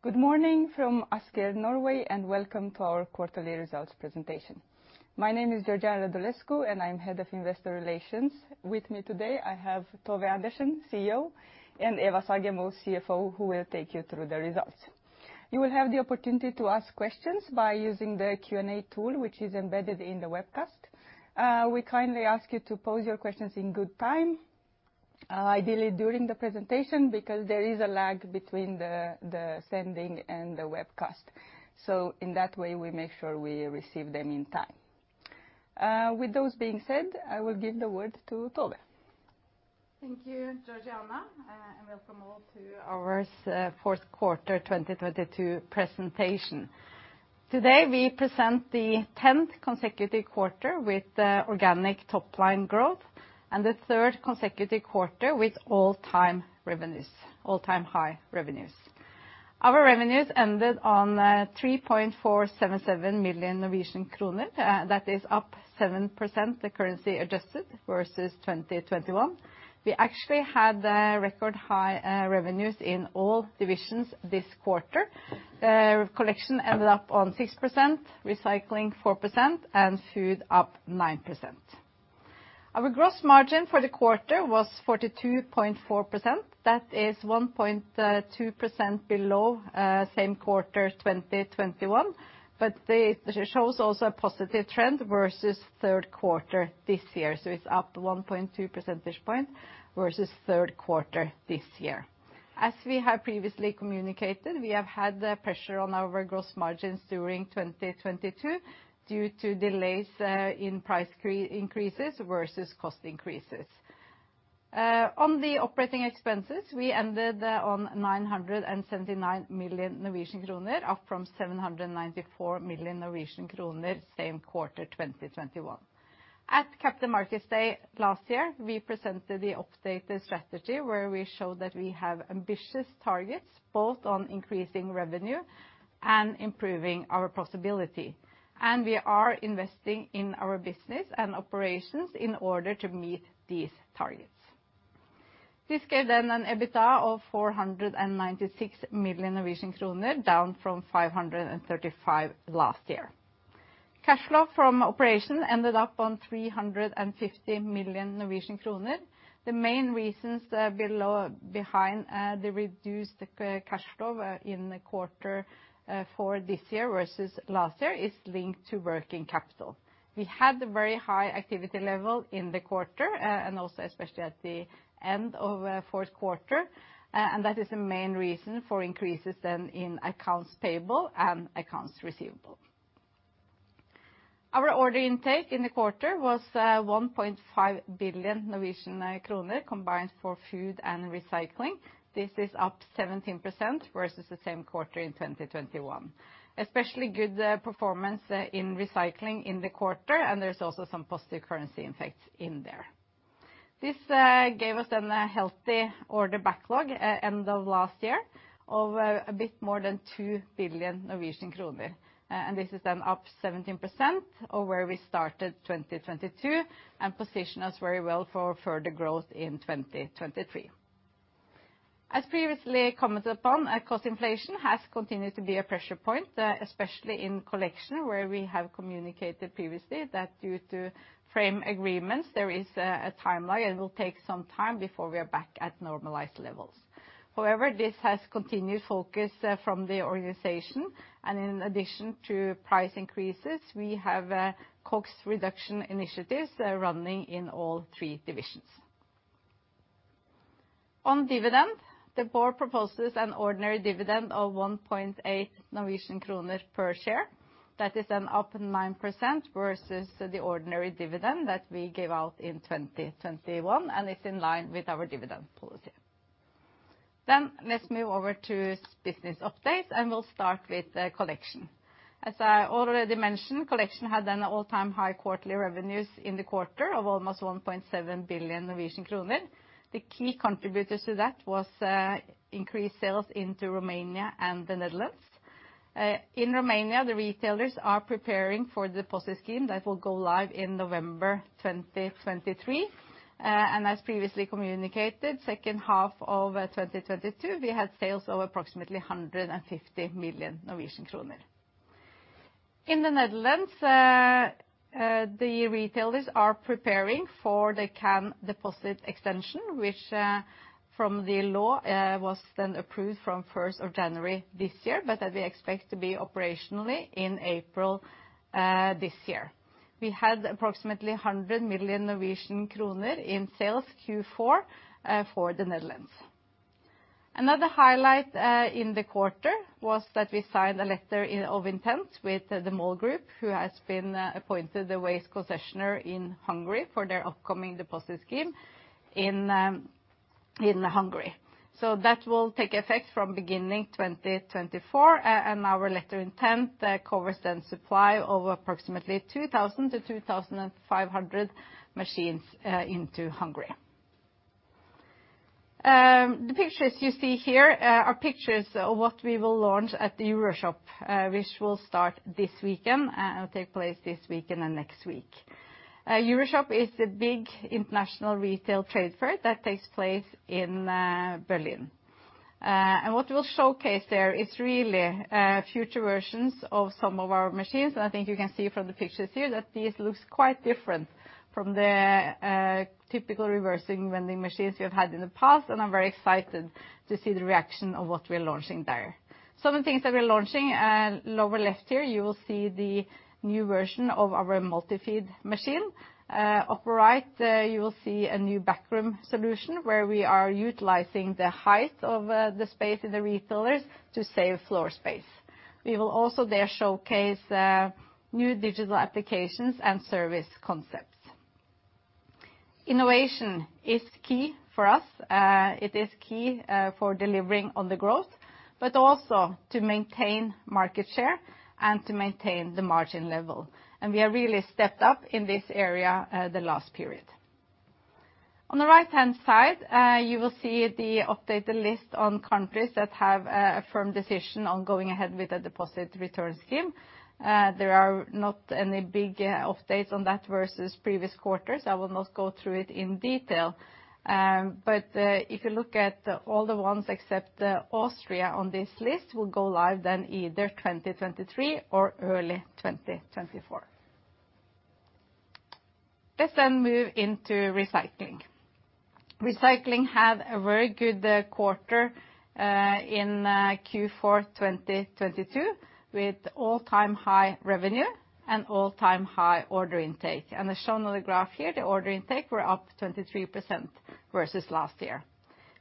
Good morning from Asker, Norway. Welcome to our quarterly results presentation. My name is Georgiana Radulescu. I'm head of investor relations. With me today, I have Tove Andersen, CEO, and Eva Sagemo, CFO, who will take you through the results. You will have the opportunity to ask questions by using the Q&A tool, which is embedded in the webcast. We kindly ask you to pose your questions in good time, ideally during the presentation, because there is a lag between the sending and the webcast, so in that way, we make sure we receive them in time. With those being said, I will give the word to Tove. Thank you, Georgiana, welcome all to our fourth quarter 2022 presentation. Today, we present the 10th consecutive quarter with organic top-line growth and the third consecutive quarter with all-time high revenues. Our revenues ended on 3.477 million Norwegian kroner. That is up 7% currency-adjusted versus 2021. We actually had record-high revenues in all divisions this quarter. Collection ended up on 6%, recycling 4%, and food up 9%. Our gross margin for the quarter was 42.4%. That is 1.2% below same quarter 2021, it shows also a positive trend versus third quarter this year, it's up 1.2 percentage point versus third quarter this year. As we have previously communicated, we have had the pressure on our gross margins during 2022 due to delays in price increases versus cost increases. On the operating expenses, we ended on 979 million Norwegian kroner up from 794 million Norwegian kroner same quarter 2021. At Capital Markets Day last year, we presented the updated strategy where we showed that we have ambitious targets both on increasing revenue and improving our profitability, and we are investing in our business and operations in order to meet these targets. This gave an EBITDA of 496 million Norwegian kroner down from 535 million last year. Cash flow from operation ended up on 350 million Norwegian kroner. The main reasons behind the reduced cash flow in the quarter for this year versus last year is linked to working capital. We had a very high activity level in the quarter, and also especially at the end of fourth quarter, and that is the main reason for increases then in accounts payable and accounts receivable. Our order intake in the quarter was 1.5 billion Norwegian kroner combined for food and recycling. This is up 17% versus the same quarter in 2021. Especially good performance in recycling in the quarter, there's also some positive currency impacts in there. This gave us then a healthy order backlog end of last year of a bit more than 2 billion Norwegian kroner. This is then up 17% of where we started 2022 and position us very well for further growth in 2023. As previously commented upon, cost inflation has continued to be a pressure point, especially in collection, where we have communicated previously that due to framework agreements, there is a timeline and will take some time before we are back at normalized levels. However, this has continued focus from the organization, and in addition to price increases, we have costs reduction initiatives running in all three divisions. On dividend, the board proposes an ordinary dividend of 1.8 Norwegian kroner per share. That is an up in 9% versus the ordinary dividend that we gave out in 2021. It's in line with our dividend policy. Let's move over to business updates. We'll start with the collection. As I already mentioned, collection had an all-time high quarterly revenues in the quarter of almost 1.7 billion Norwegian kroner. The key contributors to that was increased sales into Romania and the Netherlands. In Romania, the retailers are preparing for deposit scheme that will go live in November 2023. As previously communicated, second half of 2022, we had sales of approximately 150 million Norwegian kroner. In the Netherlands, the retailers are preparing for the can deposit extension which from the law was then approved from 1st of January this year, but that we expect to be operationally in April this year. We had approximately 100 million Norwegian kroner in sales Q4 for the Netherlands. Another highlight in the quarter was that we signed a letter of intent with the MOL Group who has been appointed the waste concessioner in Hungary for their upcoming deposit scheme in Hungary. That will take effect from beginning 2024 and our letter intent covers then supply of approximately 2,000-2,500 machines into Hungary. The pictures you see here are pictures of what we will launch at the EuroShop, which will start this weekend and take place this weekend and next week. EuroShop is a big international retail trade fair that takes place in Berlin. What we'll showcase there is really future versions of some of our machines. I think you can see from the pictures here that these looks quite different from the typical reverse vending machines we have had in the past, and I'm very excited to see the reaction of what we're launching there. Some of the things that we're launching lower left here, you will see the new version of our multi-feed machine. Upper right, you will see a new backroom solution where we are utilizing the height of the space of the refillers to save floor space. We will also there showcase new digital applications and service concepts. Innovation is key for us. It is key for delivering on the growth, but also to maintain market share and to maintain the margin level. We have really stepped up in this area the last period. On the right-hand side, you will see the updated list on countries that have a firm decision on going ahead with a deposit return scheme. There are not any big updates on that versus previous quarters, I will not go through it in detail. If you look at all the ones except Austria on this list will go live then either 2023 or early 2024. Let's move into Recycling. Recycling had a very good quarter in Q4 2022 with all-time high revenue and all-time high order intake. As shown on the graph here, the order intake were up 23% versus last year.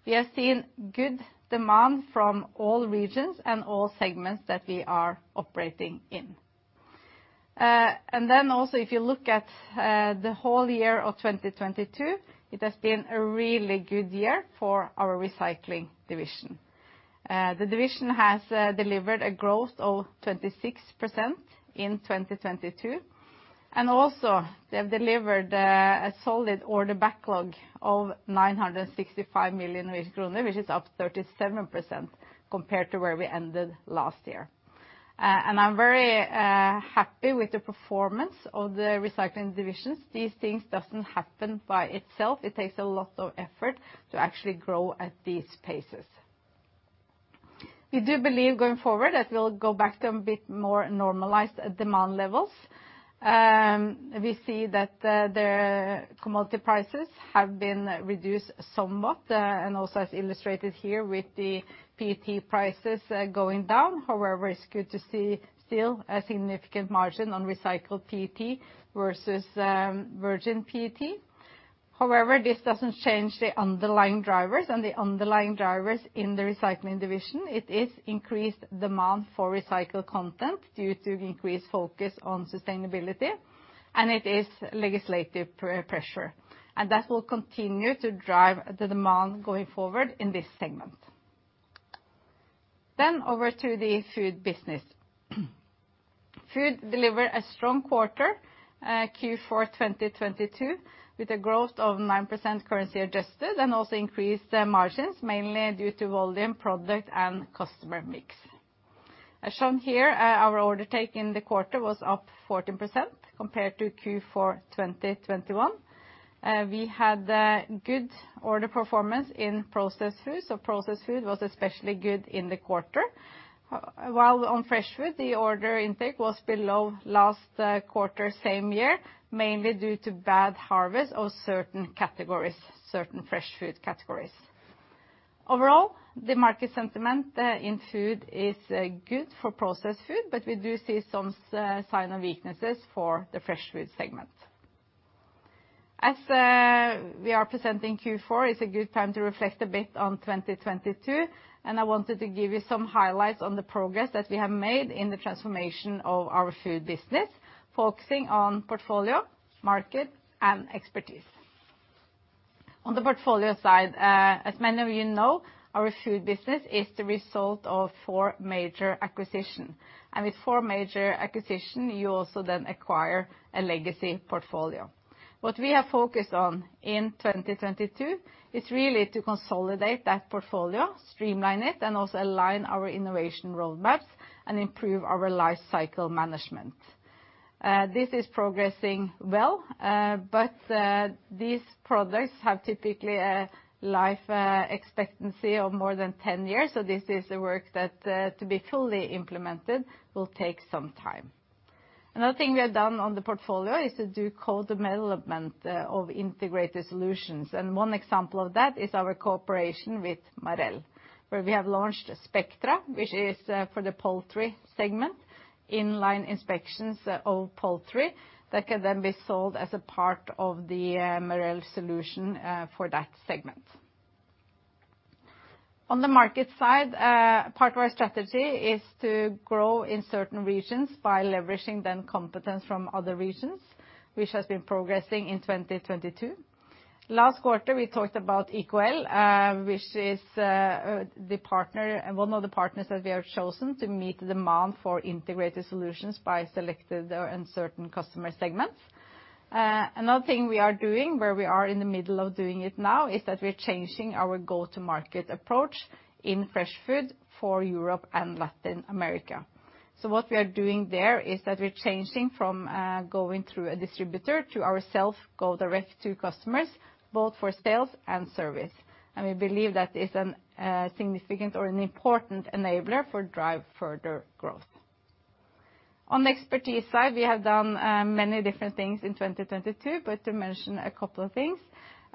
We have seen good demand from all regions and all segments that we are operating in. If you look at the whole year of 2022, it has been a really good year for our Recycling division. The division has delivered a growth of 26% in 2022, they have delivered a solid order backlog of 965 million Norwegian kroner, which is up 37% compared to where we ended last year. I'm very happy with the performance of the Recycling divisions. These things doesn't happen by itself. It takes a lot of effort to actually grow at these paces. We do believe going forward that we'll go back to a bit more normalized demand levels. We see that the commodity prices have been reduced somewhat, and also as illustrated here with the PET prices going down. However, it's good to see still a significant margin on recycled PET versus virgin PET. However, this doesn't change the underlying drivers. The underlying drivers in the Recycling division, it is increased demand for recycled content due to increased focus on sustainability, and it is legislative pressure, and that will continue to drive the demand going forward in this segment. Over to the Food business. Food delivered a strong quarter, Q4 2022, with a growth of 9% currency adjusted and also increased margins, mainly due to volume, product, and customer mix. As shown here, our order take in the quarter was up 14% compared to Q4 2021. We had a good order performance in processed foods. Processed food was especially good in the quarter. While on fresh food, the order intake was below last quarter same year, mainly due to bad harvest of certain categories, certain fresh food categories. Overall, the market sentiment in food is good for processed food, we do see some sign of weaknesses for the fresh food segment. As we are presenting Q4, it's a good time to reflect a bit on 2022, I wanted to give you some highlights on the progress that we have made in the transformation of our food business, focusing on portfolio, market, and expertise. On the portfolio side, as many of you know, our Food business is the result of four major acquisitions, and with four major acquisitions you also then acquire a legacy portfolio. What we have focused on in 2022 is really to consolidate that portfolio, streamline it, and also align our innovation roadmaps and improve our life cycle management. This is progressing well, but these products have typically a life expectancy of more than 10 years, so this is a work that, to be fully implemented will take some time. Another thing we have done on the portfolio is to do co-development of integrated solutions, and one example of that is our cooperation with Marel, where we have launched Spectra, which is for the poultry segment, in-line inspections of poultry that can then be sold as a part of the Marel solution for that segment. On the market side, part of our strategy is to grow in certain regions by leveraging then competence from other regions, which has been progressing in 2022. Last quarter we talked about ICOEL, which is the partner and one of the partners that we have chosen to meet demand for integrated solutions by selected and certain customer segments. Another thing we are doing, where we are in the middle of doing it now, is that we're changing our go-to-market approach in fresh food for Europe and Latin America. What we are doing there is that we're changing from going through a distributor to ourself go direct to customers, both for sales and service. We believe that is an significant or an important enabler for drive further growth. On the expertise side, we have done many different things in 2022, but to mention a couple of things.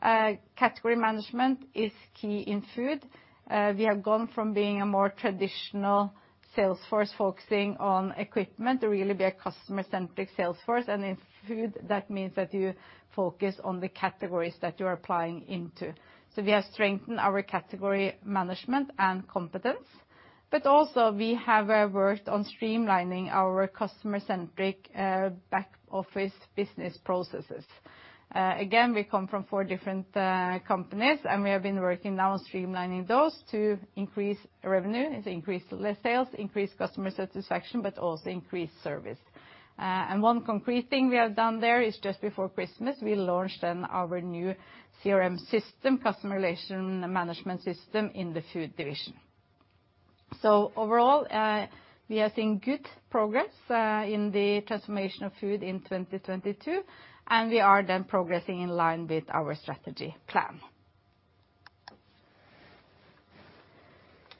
Category management is key in food. We have gone from being a more traditional sales force focusing on equipment to really be a customer-centric sales force. In Food, that means that you focus on the categories that you are applying into. We have strengthened our category management and competence, but also we have worked on streamlining our customer-centric back office business processes. Again, we come from four different companies, and we have been working now on streamlining those to increase revenue, increase the sales, increase customer satisfaction, but also increase service. One concrete thing we have done there is just before Christmas, we launched then our new CRM system, customer relation management system, in the Food division. Overall, we are seeing good progress in the transformation of Food in 2022, and we are then progressing in line with our strategy plan.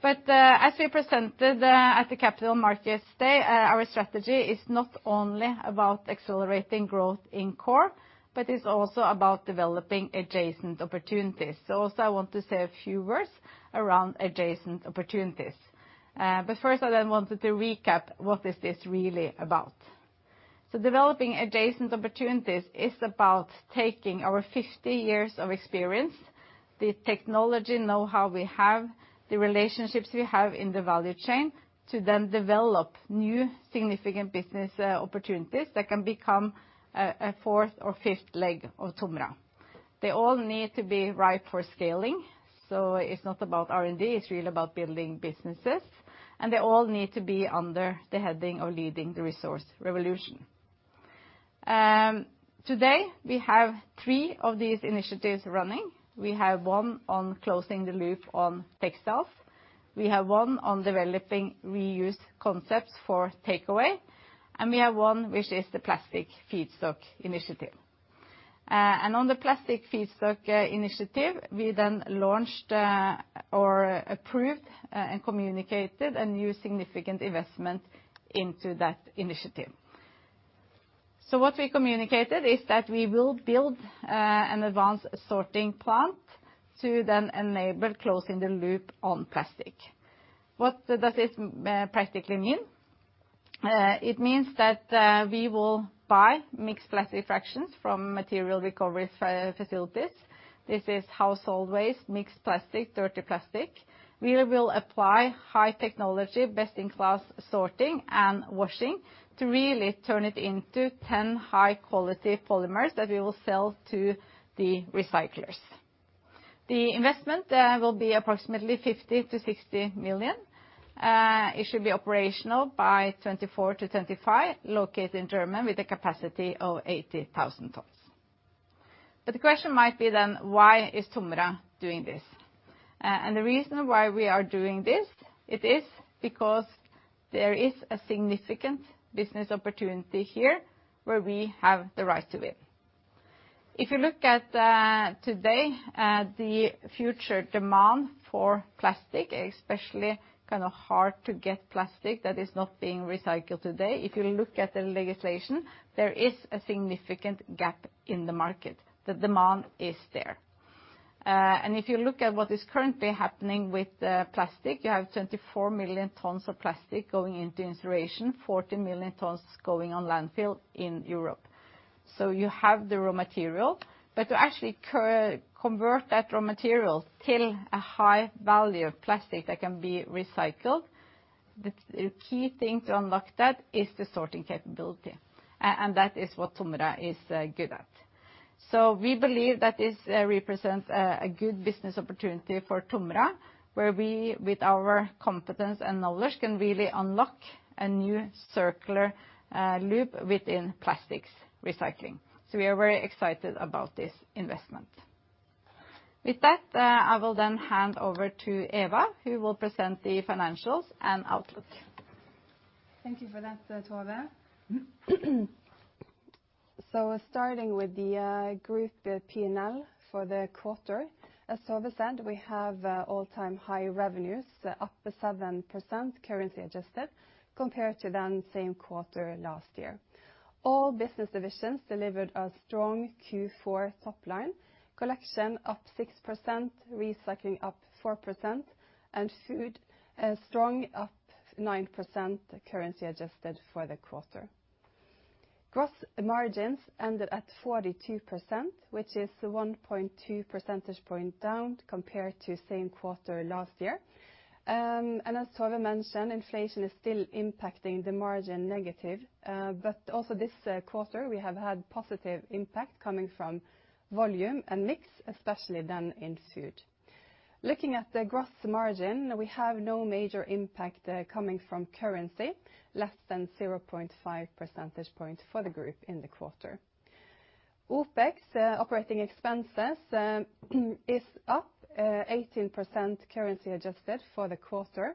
As we presented at the Capital Markets Day, our strategy is not only about accelerating growth in core, but it's also about developing adjacent opportunities. Also I want to say a few words around adjacent opportunities. First I wanted to recap what is this really about. Developing adjacent opportunities is about taking our 50 years of experience, the technology knowhow we have, the relationships we have in the value chain, to develop new significant business opportunities that can become a fourth or fifth leg of Tomra. They all need to be right for scaling, it's not about R&D, it's really about building businesses, they all need to be under the heading of leading the resource revolution. Today, we have three of these initiatives running. We have one on closing the loop on textiles, we have one on developing reuse concepts for takeaway, we have one which is the plastic feedstock initiative. On the plastic feedstock initiative, we then launched, or approved, and communicated a new significant investment into that initiative. What we communicated is that we will build an advanced sorting plant to then enable closing the loop on plastic. What does this practically mean? It means that we will buy mixed plastic fractions from materials recovery facilities. This is household waste, mixed plastic, dirty plastic. We will apply high technology, best-in-class sorting and washing to really turn it into 10 high quality polymers that we will sell to the recyclers. The investment will be approximately 50 million-60 million. It should be operational by 2024 to 2025, located in Germany, with a capacity of 80,000 tons. The question might be then, why is TOMRA doing this? The reason why we are doing this, it is because there is a significant business opportunity here where we have the right to win. If you look at today, the future demand for plastic, especially kind of hard-to-get plastic that is not being recycled today, if you look at the legislation, there is a significant gap in the market. The demand is there. If you look at what is currently happening with plastic, you have 24 million tons of plastic going into incineration, 14 million tons going on landfill in Europe. You have the raw material, but to actually convert that raw material to a high value of plastic that can be recycled, the key thing to unlock that is the sorting capability, and that is what TOMRA is good at. We believe that this represents a good business opportunity for TOMRA, where we, with our competence and knowledge, can really unlock a new circular loop within plastics recycling. We are very excited about this investment. With that, I will then hand over to Eva, who will present the financials and outlook. Thank you for that, Tove. Starting with the group P&L for the quarter, as Tove said, we have all-time high revenues, up 7% currency adjusted, compared to same quarter last year. All business divisions delivered a strong Q4 top line, collection up 6%, recycling up 4%, and food strong, up 9% currency adjusted for the quarter. Gross margins ended at 42%, which is 1.2 percentage point down compared to same quarter last year. As Tove mentioned, inflation is still impacting the margin negative, but also this quarter, we have had positive impact coming from volume and mix, especially then in food. Looking at the gross margin, we have no major impact coming from currency less than 0.5 percentage point for the group in the quarter. OpEx, operating expenses, is up 18% currency adjusted for the quarter.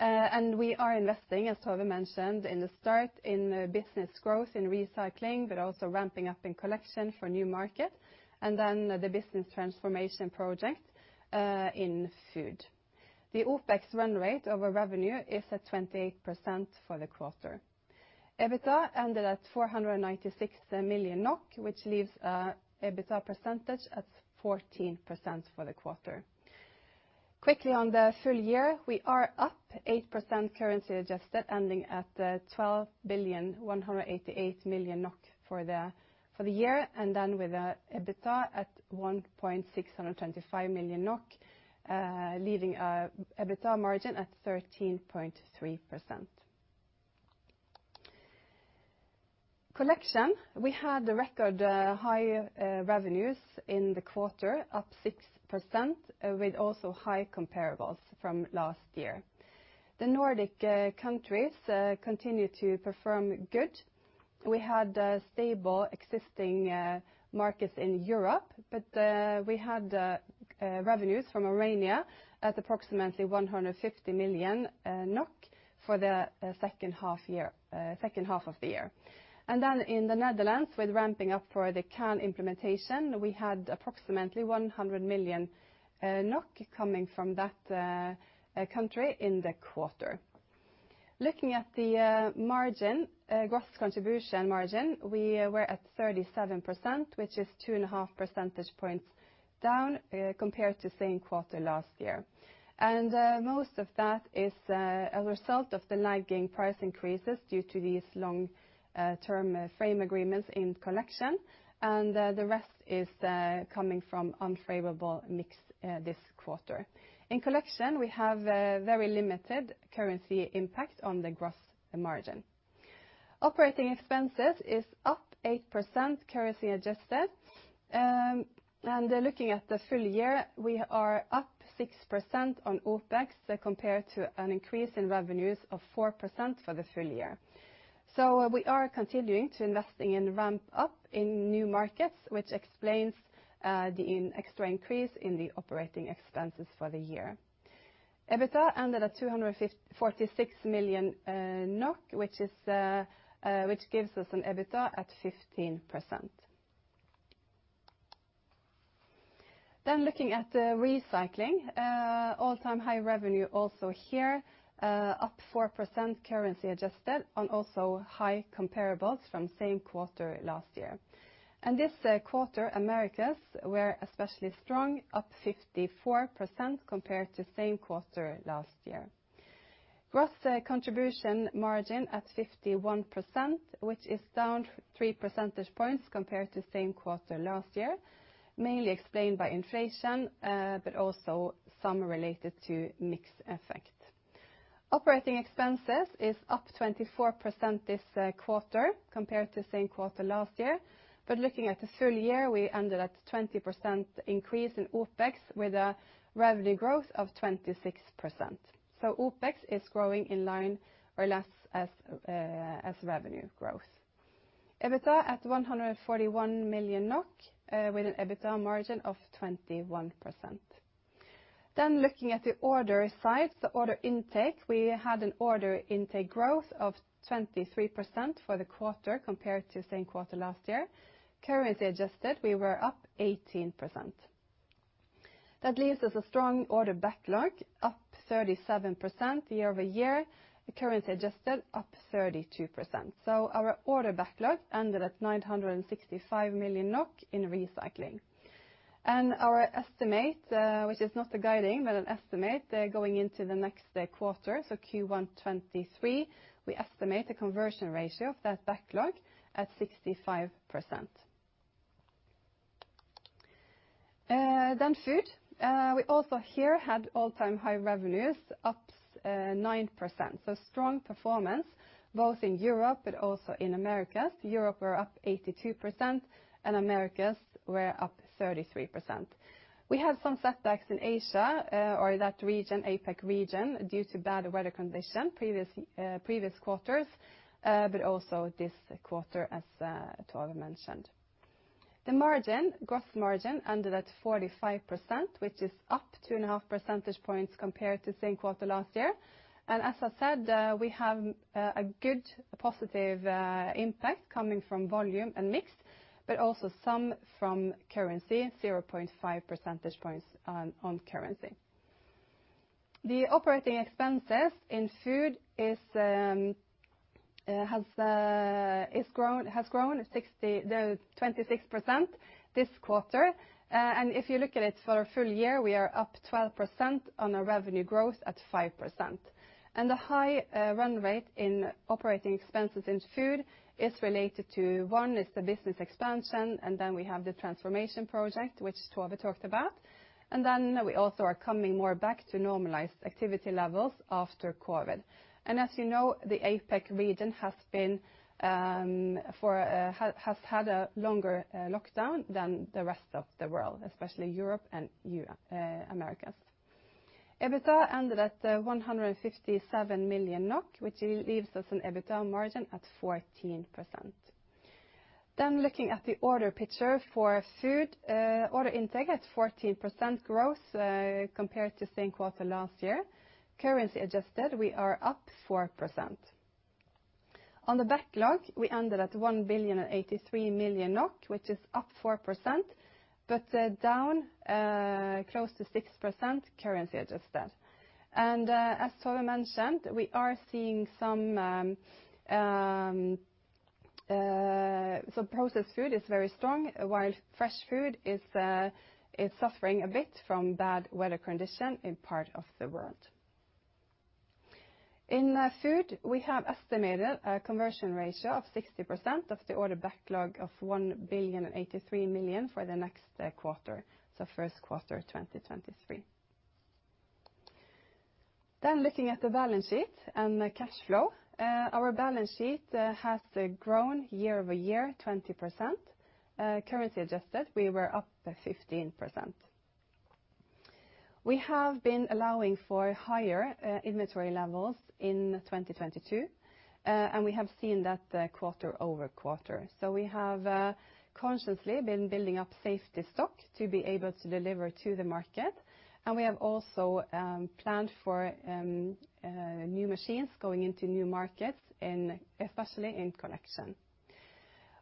We are investing, as Tove mentioned in the start, in business growth in recycling, but also ramping up in collection for new market, and then the business transformation project, in food. The OpEx run rate over revenue is at 28% for the quarter. EBITDA ended at 496 million NOK, which leaves EBITDA percentage at 14% for the quarter. Quickly on the full year, we are up 8% currency adjusted ending at 12.188 billion for the year. Then with EBITDA at 1,625 million NOK, leaving EBITDA margin at 13.3%. Collection, we had the record high revenues in the quarter up 6% with also high comparables from last year. The Nordic countries continued to perform good. We had stable existing markets in Europe, but we had revenues from Armenia at approximately 150 million NOK for the second half of the year. In the Netherlands with ramping up for the can implementation, we had approximately 100 million NOK coming from that country in the quarter. Looking at the margin, gross contribution margin, we were at 37%, which is 2.5 percentage points down compared to same quarter last year. Most of that is a result of the lagging price increases due to these long-term framework agreements in collection. The rest is coming from unfavorable mix this quarter. In collection, we have a very limited currency impact on the gross margin. Operating expenses is up 8% currency adjusted. Looking at the full year, we are up 6% on OpEx compared to an increase in revenues of 4% for the full year. We are continuing to investing in ramp up in new markets, which explains the extra increase in the operating expenses for the year. EBITDA ended at 246 million NOK, which gives us an EBITDA at 15%. Looking at the recycling, all-time high revenue also here, up 4% currency adjusted on also high comparables from same quarter last year. This quarter, Americas were especially strong, up 54% compared to same quarter last year. Gross contribution margin at 51%, which is down three percentage points compared to same quarter last year, mainly explained by inflation, but also some related to mix effect. Operating expenses is up 24% this quarter compared to same quarter last year. Looking at the full year, we ended at 20% increase in OpEx with a revenue growth of 26%. OpEx is growing in line or less as revenue growth. EBITDA at 141 million NOK, with an EBITDA margin of 21%. Looking at the order side, the order intake, we had an order intake growth of 23% for the quarter compared to same quarter last year. Currency adjusted, we were up 18%. That leaves us a strong order backlog, up 37% year-over-year, currency adjusted up 32%. Our order backlog ended at 965 million NOK in recycling. Our estimate, which is not a guiding, but an estimate, going into the next quarter, so Q1 2023, we estimate a conversion ratio of that backlog at 65%. Food. We also here had all-time high revenues up 9%. Strong performance both in Europe but also in Americas. Europe were up 82% and Americas were up 33%. We had some setbacks in Asia, or that region, APAC region, due to bad weather condition previous quarters, but also this quarter, as Tove mentioned. The margin, gross margin ended at 45%, which is up 2.5 percentage points compared to same quarter last year. As I said, we have a good positive impact coming from volume and mix, but also some from currency, 0.5 percentage points on currency. The operating expenses in food is, has grown 26% this quarter. If you look at it for a full year, we are up 12% on a revenue growth at 5%. The high run rate in operating expenses in food is related to, one, is the business expansion, and we have the transformation project, which Tove talked about. We also are coming more back to normalized activity levels after COVID. As you know, the APAC region has had a longer lockdown than the rest of the world, especially Europe and Americas. EBITDA ended at 157 million NOK, which leaves us an EBITDA margin at 14%. Looking at the order picture for food, order intake at 14% growth compared to same quarter last year. Currency adjusted, we are up 4%. On the backlog, we ended at 1,083 million NOK, which is up 4%, but down close to 6% currency adjusted. As Tove mentioned, we are seeing some, so processed food is very strong, while fresh food is suffering a bit from bad weather condition in part of the world. In food, we have estimated a conversion ratio of 60% of the order backlog of 1 billion and 83 million for the next quarter, so first quarter of 2023. Looking at the balance sheet and the cash flow. Our balance sheet has grown year-over-year 20%. Currency adjusted, we were up 15%. We have been allowing for higher inventory levels in 2022, and we have seen that quarter-over-quarter. We have consciously been building up safety stock to be able to deliver to the market, and we have also planned for new machines going into new markets in, especially in collection.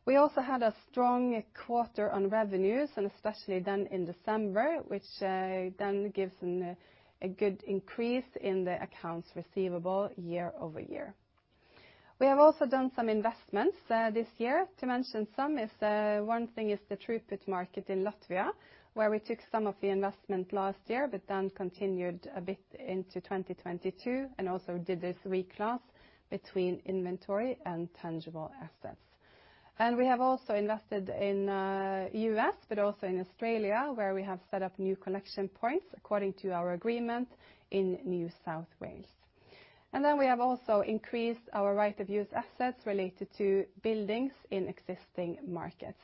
We also had a strong quarter on revenues, especially then in December, which then gives a good increase in the accounts receivable year over year. We have also done some investments this year. To mention some is one thing is the True Fit market in Latvia, where we took some of the investment last year, but then continued a bit into 2022 and also did this reclass between inventory and tangible assets. We have also invested in U.S., but also in Australia, where we have set up new collection points according to our agreement in New South Wales. We have also increased our right-of-use assets related to buildings in existing markets.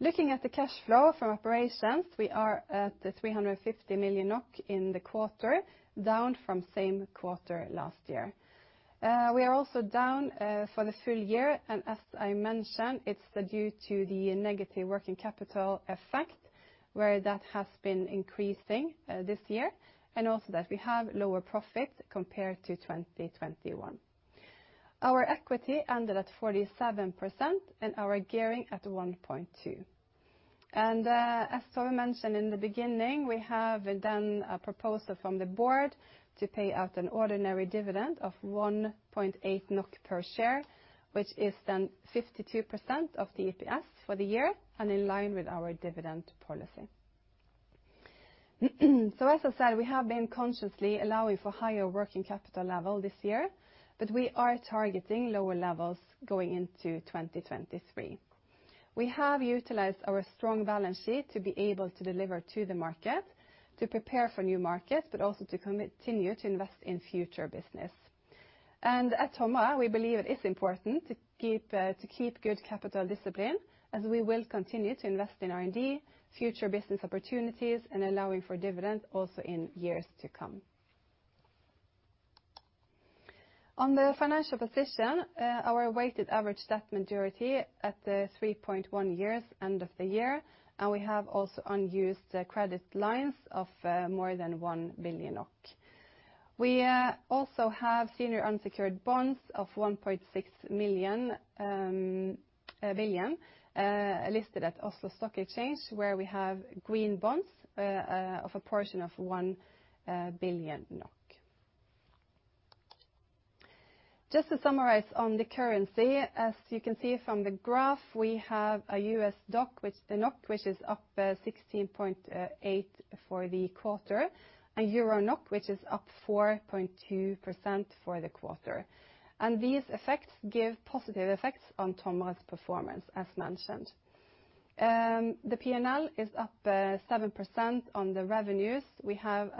Looking at the cash flow from operations, we are at 350 million NOK in the quarter, down from same quarter last year. We are also down for the full year, and as I mentioned, it's due to the negative working capital effect, where that has been increasing this year, and also that we have lower profits compared to 2021. Our equity ended at 47% and our gearing at 1.2. As Tove mentioned in the beginning, we have then a proposal from the board to pay out an ordinary dividend of 1.8 NOK per share, which is then 52% of the EPS for the year and in line with our dividend policy. As I said, we have been consciously allowing for higher working capital level this year, but we are targeting lower levels going into 2023. We have utilized our strong balance sheet to be able to deliver to the market, to prepare for new markets, but also to continue to invest in future business. At Tomra, we believe it is important to keep good capital discipline, as we will continue to invest in R&D, future business opportunities, and allowing for dividends also in years to come. On the financial position, our weighted average debt maturity at the 3.1 years end of the year. We have also unused credit lines of more than 1 billion NOK. We also have senior unsecured bonds of 1.6 billion listed at Oslo Stock Exchange, where we have green bonds of a portion of 1 billion NOK. Just to summarize on the currency, as you can see from the graph, we have a US NOK which is up 16.8 for the quarter, and euro NOK, which is up 4.2% for the quarter. These effects give positive effects on Tomra's performance, as mentioned. The P&L is up 7% on the revenues. We have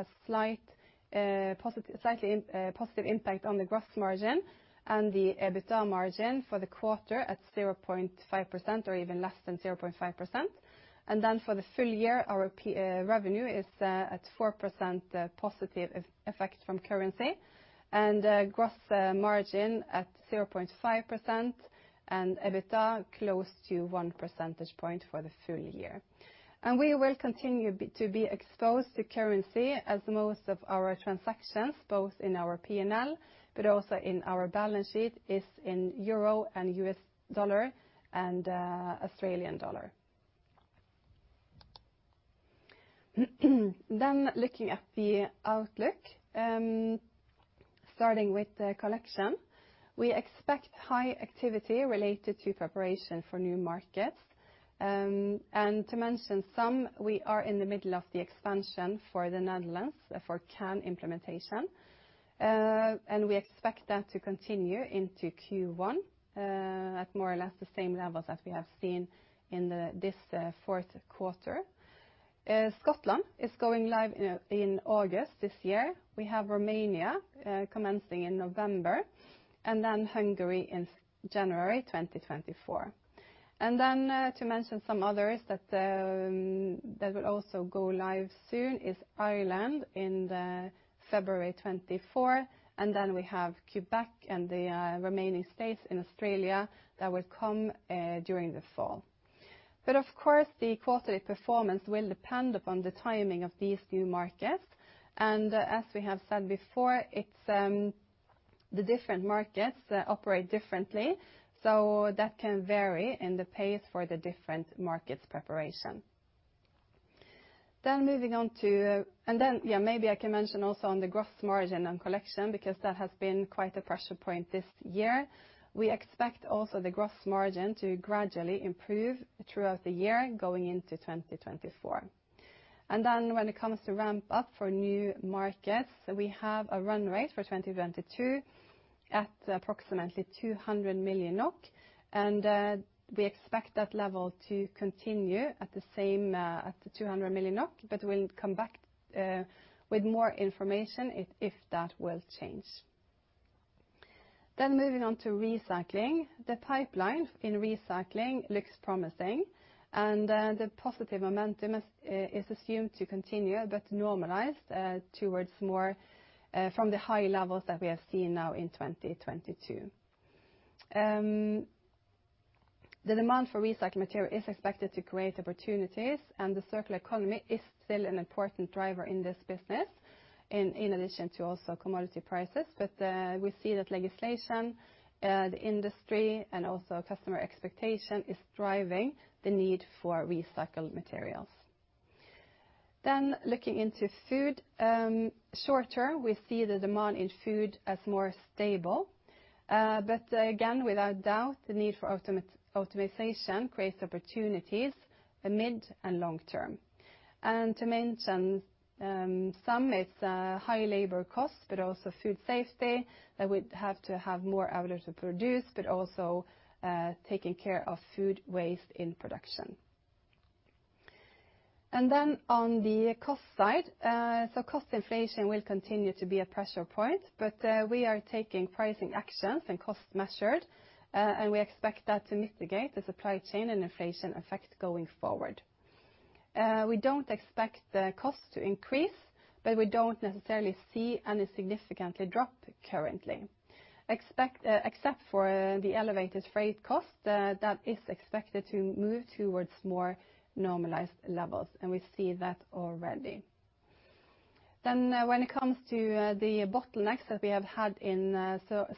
a slightly positive impact on the gross margin and the EBITDA margin for the quarter at 0.5%, or even less than 0.5%. For the full year, our revenue is at 4% positive effect from currency, and gross margin at 0.5%, and EBITDA close to one percentage point for the full year. We will continue to be exposed to currency as most of our transactions, both in our P&L, but also in our balance sheet, is in euro and US dollar and Australian dollar. Looking at the outlook, starting with the collection. We expect high activity related to preparation for new markets. To mention some, we are in the middle of the expansion for the Netherlands for CAN implementation, and we expect that to continue into Q1 at more or less the same levels as we have seen in this fourth quarter. Scotland is going live in August this year. We have Romania commencing in November, Hungary in January 2024. To mention some others that will also go live soon is Ireland in the February 2024, we have Quebec and the remaining states in Australia that will come during the fall. Of course, the quarterly performance will depend upon the timing of these new markets. As we have said before, it's the different markets that operate differently, that can vary in the pace for the different markets preparation. Maybe I can mention also on the gross margin on collection because that has been quite a pressure point this year. We expect also the gross margin to gradually improve throughout the year going into 2024. When it comes to ramp up for new markets, we have a run rate for 2022 at approximately 200 million NOK, and we expect that level to continue at the same, at the 200 million, but we'll come back with more information if that will change. Moving on to recycling. The pipeline in recycling looks promising, and the positive momentum is assumed to continue, but normalized towards more from the high levels that we have seen now in 2022. The demand for recycled material is expected to create opportunities, and the circular economy is still an important driver in this business in addition to also commodity prices. We see that legislation, the industry and also customer expectation is driving the need for recycled materials. Looking into food, shorter, we see the demand in food as more stable, but again, without doubt, the need for automation creates opportunities for mid and long term. To mention, some, it's high labor costs, but also food safety that we have to have more ability to produce, but also taking care of food waste in production. On the cost side, so cost inflation will continue to be a pressure point, but we are taking pricing actions and cost measured, and we expect that to mitigate the supply chain and inflation effect going forward. We don't expect the cost to increase, but we don't necessarily see any significantly drop currently. Except for the elevated freight cost that is expected to move towards more normalized levels, and we see that already. When it comes to the bottlenecks that we have had in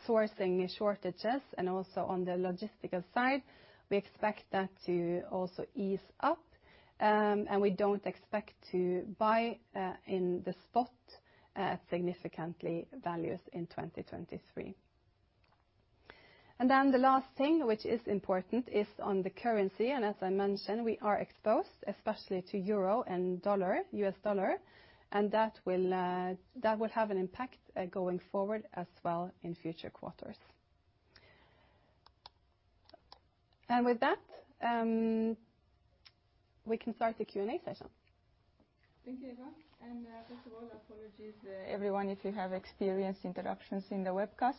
sourcing shortages and also on the logistical side, we expect that to also ease up, and we don't expect to buy in the spot at significantly values in 2023. The last thing which is important is on the currency. As I mentioned, we are exposed especially to EUR and USD, and that will have an impact going forward as well in future quarters. With that, we can start the Q&A session. Thank you, Eva. First of all, apologies, everyone, if you have experienced interruptions in the webcast.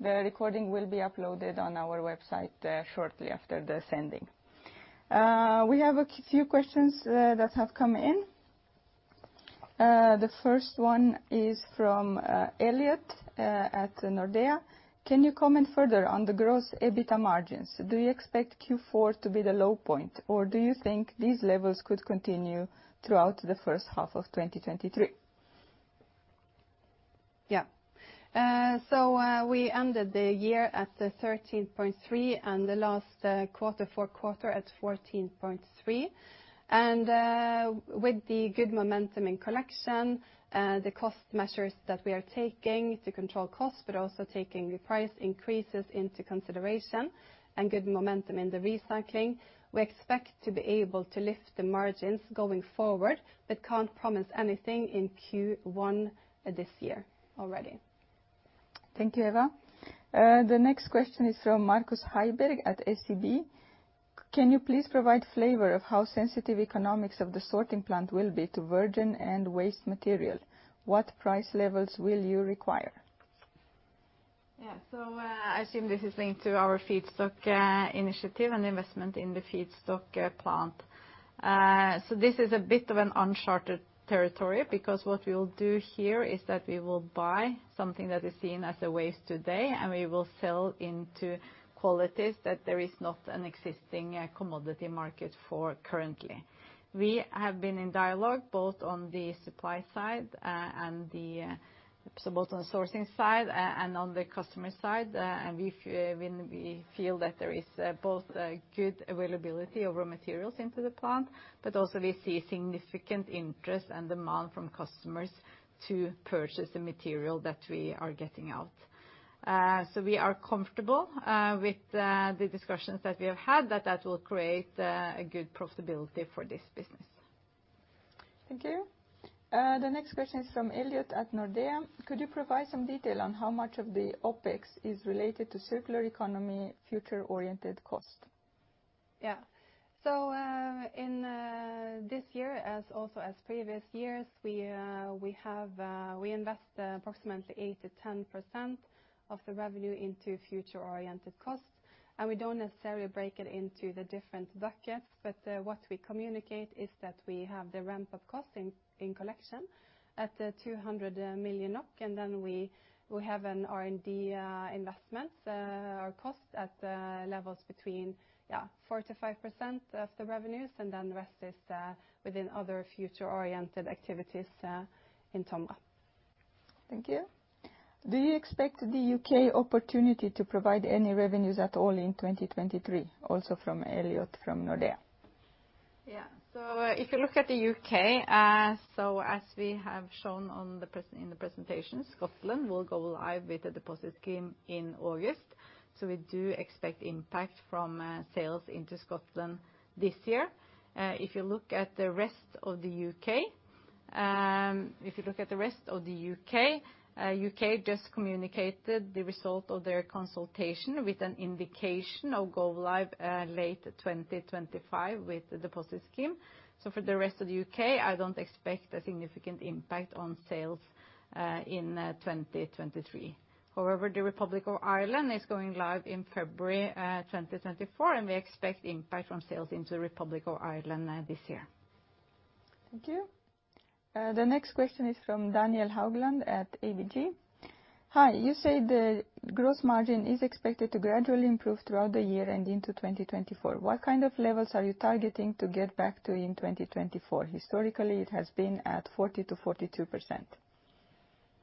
The recording will be uploaded on our website shortly after the sending. We have a few questions that have come in. The first one is from Elliot at Nordea. Can you comment further on the gross EBITDA margins? Do you expect Q4 to be the low point, or do you think these levels could continue throughout the first half of 2023? Yeah. So, we ended the year at the 13.3% and the last quarter, fourth quarter at 14.3%. With the good momentum in collection, the cost measures that we are taking to control costs, but also taking the price increases into consideration and good momentum in the recycling, we expect to be able to lift the margins going forward, but can't promise anything in Q1 this year already. Thank you, Eva. The next question is from Markus Heiberg at SEB. Can you please provide flavor of how sensitive economics of the sorting plant will be to virgin and waste material? What price levels will you require? Yeah. I assume this is linked to our feedstock initiative and investment in the feedstock plant. This is a bit of an uncharted territory because what we will do here is that we will buy something that is seen as a waste today, and we will sell into qualities that there is not an existing commodity market for currently. We have been in dialogue both on the supply side, and the, so both on the sourcing side and on the customer side. We feel that there is both a good availability of raw materials into the plant, but also we see significant interest and demand from customers to purchase the material that we are getting out. We are comfortable with the discussions that we have had that that will create a good profitability for this business. Thank you. The next question is from Elliot at Nordea. Could you provide some detail on how much of the OpEx is related to circular economy future-oriented cost? In this year as also as previous years, we invest approximately 8%-10% of the revenue into future-oriented costs, and we don't necessarily break it into the different buckets. What we communicate is that we have the ramp-up costs in collection at 200 million NOK, and then we have an R&D investment or cost at the levels between 4%-5% of the revenues, and then the rest is within other future-oriented activities in TOMRA. Thank you. Do you expect the U.K. opportunity to provide any revenues at all in 2023? Also from Elliot from Nordea. Yeah. If you look at the U.K., so as we have shown in the presentation, Scotland will go live with the deposit scheme in August, so we do expect impact from sales into Scotland this year. If you look at the rest of the U.K., the U.K. just communicated the result of their consultation with an indication of go live late 2025 with the deposit scheme. For the rest of the U.K., I don't expect a significant impact on sales in 2023. However, the Republic of Ireland is going live in February 2024, and we expect impact from sales into the Republic of Ireland this year. Thank you. The next question is from Daniel Haugland at ABG. Hi. You say the gross margin is expected to gradually improve throughout the year and into 2024. What kind of levels are you targeting to get back to in 2024? Historically, it has been at 40%-42%.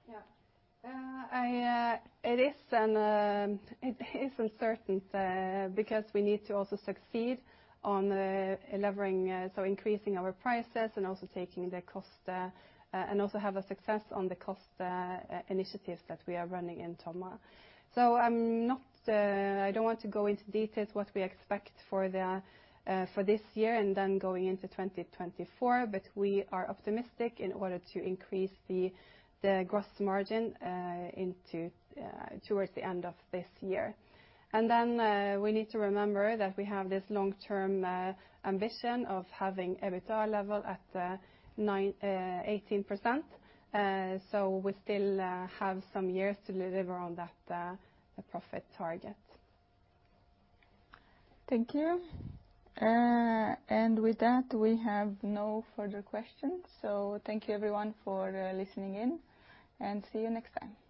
Yeah. It is uncertain because we need to also succeed on levering, so increasing our prices and also taking the cost and also have a success on the cost initiatives that we are running in TOMRA. I don't want to go into details what we expect for this year and then going into 2024, but we are optimistic in order to increase the gross margin towards the end of this year. We need to remember that we have this long-term ambition of having EBITDA level at nine 18%, so we still have some years to deliver on that profit target. Thank you. With that, we have no further questions. Thank you everyone for listening in, and see you next time.